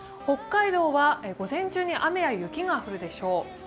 北海道は午前中に雨や雪が降るでしょう。